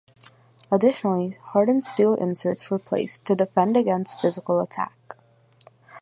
Additionally, hardened steel inserts were placed to defend against physical attack.